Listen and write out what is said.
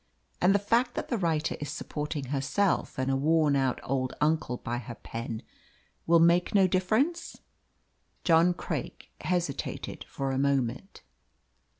"And the fact that the writer is supporting herself and a worn out old uncle by her pen will make no difference?" John Craik hesitated for a moment.